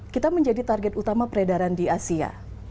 kita menjadi target utama peredaran di asia